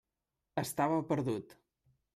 Estava perdut.